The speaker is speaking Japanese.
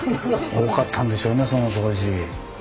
多かったんでしょうねその当時。